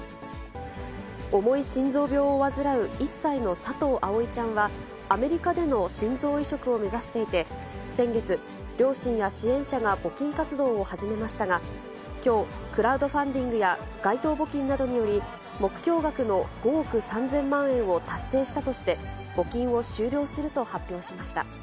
重い心臓病を患う１歳の佐藤葵ちゃんは、アメリカでの心臓移植を目指していて、先月、両親や支援者が募金活動を始めましたが、きょう、クラウドファンディングや街頭募金などにより、目標額の５億３０００万円を達成したとして、募金を終了すると発表しました。